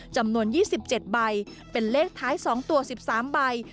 จำนวน๒๗ใบเป็นเลขท้าย๒ตัว๑๓ใบ